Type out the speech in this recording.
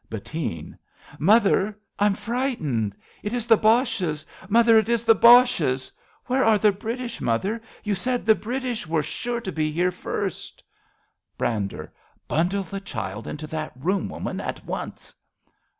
Bettine. Mother, I'm frightened ! It is the Boches ! Mother, it is the Boches ! Where are the British, mother? You said the British Were sure to be here first ! 54 A BELGIAN CHRISTMAS EVE Brander. Bundle the child Into that room, woman, at once